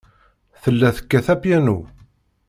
Tella tekkat apyanu.